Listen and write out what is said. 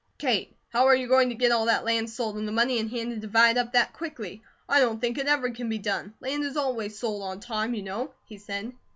"Kate, how are you going to get all that land sold, and the money in hand to divide up that quickly? I don't think it ever can be done. Land is always sold on time, you know," he said.